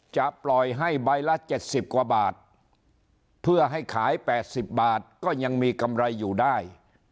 จะปล่อยให้ใบละ๗๐กว่าบาทเพื่อให้ขาย๘๐บาทก็ยังมีกำไรอยู่ได้